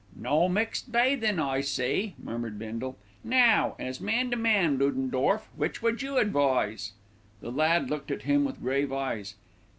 "No mixed bathin', I see," murmured Bindle. "Now, as man to man, Ludendorff, which would you advise?" The lad looked at him with grave eyes.